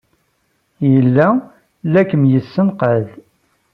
Yella la kem-yessenqad.